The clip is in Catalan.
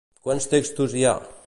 Quants textos hi ha?